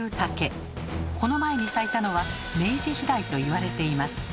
この前に咲いたのは明治時代と言われています。